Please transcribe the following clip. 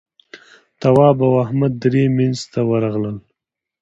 تواب او احمد درې مينځ ته ورغلل.